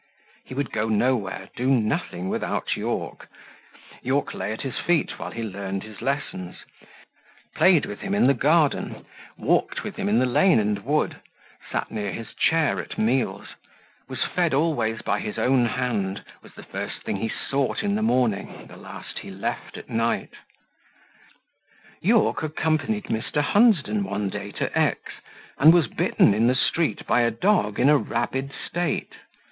He would go nowhere, do nothing without Yorke; Yorke lay at his feet while he learned his lessons, played with him in the garden, walked with him in the lane and wood, sat near his chair at meals, was fed always by his own hand, was the first thing he sought in the morning, the last he left at night. Yorke accompanied Mr. Hunsden one day to X , and was bitten in the street by a dog in a rabid state.